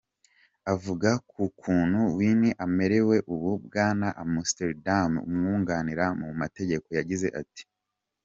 Avuga ku kuntu Wine amerewe ubu, Bwana Amsterdam umwunganira mu mategeko yagize ati:.